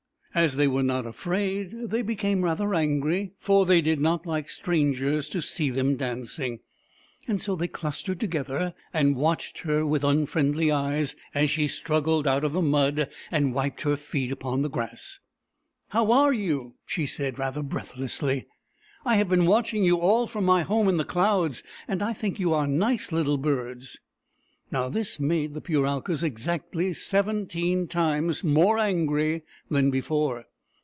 As they were not afraid, they became rather angry, for they did not like strangers to see them dancing. So they clustered together and watched her with unfriendly eyes as she struggled out of the mud and wiped her feet upon the grass. " How are you ?" she said, rather breathlessly. " I have been watching you all from my home in the clouds, and I think you are nice little birds !" Now, this made the Puralkas exactly seventeen times more angry than before.